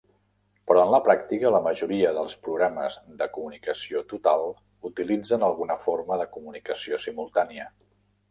Però en la pràctica, la majoria dels programes de comunicació total utilitzen alguna forma de comunicació simultània.